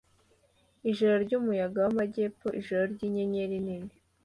Ijoro ryumuyaga wamajyepfo - ijoro ryinyenyeri nini!